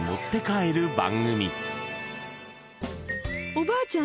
おばあちゃん